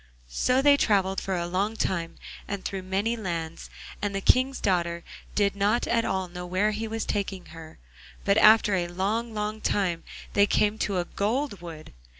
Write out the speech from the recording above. So they travelled for a long time, and through many lands, and the King's daughter did not at all know where he was taking her, but after a long, long time they came to a gold wood.